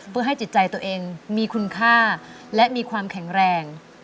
เพื่อให้จิตใจตัวเองมีคุณค่าและมีความแข็งแรง